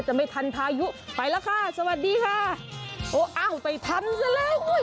จะไม่ทันพายุไปแล้วค่ะสวัสดีค่ะโอ้อ้าวไปทำซะแล้วอุ้ย